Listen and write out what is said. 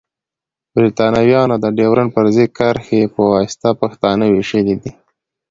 بريتانويانو د ډيورنډ فرضي کرښي پواسطه پښتانه ويشلی دی.